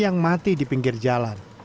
yang mati di pinggir jalan